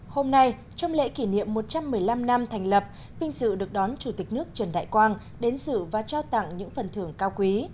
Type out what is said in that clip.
hôm nay trong lễ kỷ niệm một trăm một mươi năm năm thành lập vinh dự được đón chủ tịch nước trần đại quang đến dự và trao tặng những phần thưởng cao quý